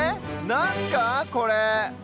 なんすかこれ？